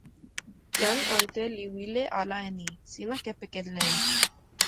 jan ante li wile ala e ni: sina kepeken len.